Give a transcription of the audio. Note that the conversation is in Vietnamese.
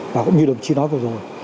và cũng như đồng chí nói vừa rồi